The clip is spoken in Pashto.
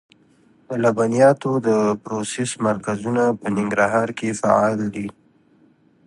د لبنیاتو د پروسس مرکزونه په ننګرهار کې فعال دي.